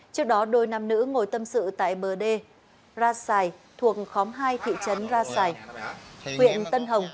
trước đó đôi nam nữ ngồi tâm sự tại bờ đê ra xài thuộc khóm hai thị trấn ra xài huyện tân hồng